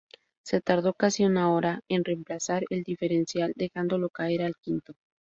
Se tardó casi una hora en reemplazar el diferencial, dejándolo caer al quinto.